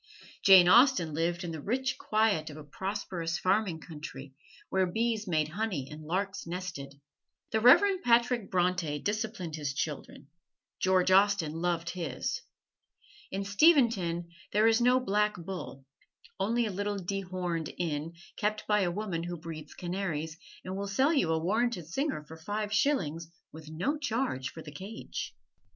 Jane Austen lived in the rich quiet of a prosperous farming country, where bees made honey and larks nested. The Reverend Patrick Bronte disciplined his children: George Austen loved his. In Steventon there is no "Black Bull"; only a little dehorned inn, kept by a woman who breeds canaries, and will sell you a warranted singer for five shillings, with no charge for the cage.